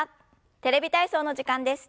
「テレビ体操」の時間です。